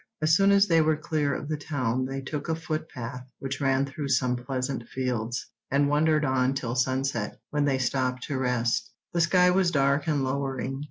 As soon as they were clear of the town they took a foot path which ran through some pleasant fields, and wandered on till sunset, when they stopped to rest. The sky was dark and lowering.